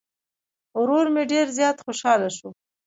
ورور مې ډير زيات خوشحاله شو